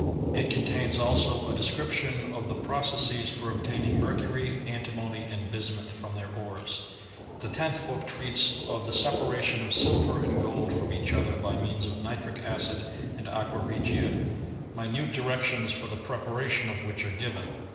It contains also a description of the processes for obtain ing mercury, antimony, and bismuth, from their ores. The tenth book treats of the separation of silver and gold from each other, by means of nitric acid and aqua regia : minute directions for the preparation of which are given.